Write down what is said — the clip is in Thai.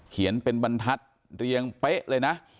เขียนเป็นบรรทัศน์เรียงเป๊ะเลยนะ